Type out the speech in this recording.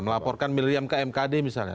melaporkan miriam ke mkd misalnya